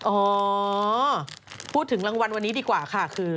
อ๋อพูดถึงรางวัลวันนี้ดีกว่าค่ะคือ